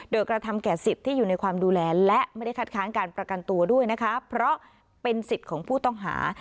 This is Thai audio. โดยกระทำแก่สิทธิ์ที่อยู่ในความดูแลและไม่ได้คัดค้างการประกันตัวด้วยนะคะเพราะเป็นสิทธิ์ของผู้ต้องหา